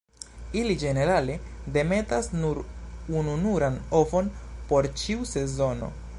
Ili ĝenerale demetas nur ununuran ovon por ĉiu sezono.